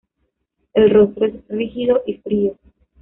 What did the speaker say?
El rostro es rígido y frío.